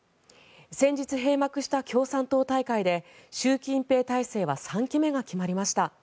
先日閉幕した共産党大会で習近平体制は３期目が決まりました。